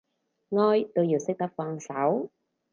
愛都要識得放手